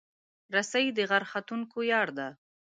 رسۍ د غر ختونکو یار ده.